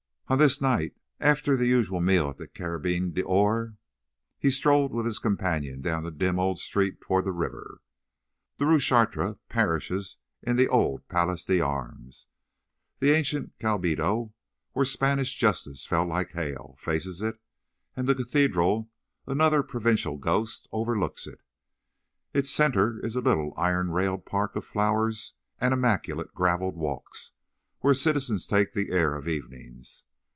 On this night, after the usual meal at the Carabine d'Or, he strolled with his companion down the dim old street toward the river. The Rue Chartres perishes in the old Place d'Armes. The ancient Cabildo, where Spanish justice fell like hail, faces it, and the Cathedral, another provincial ghost, overlooks it. Its centre is a little, iron railed park of flowers and immaculate gravelled walks, where citizens take the air of evenings.